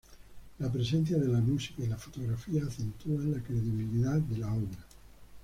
La presencia de la música y la fotografía acentúan la credibilidad de la obra.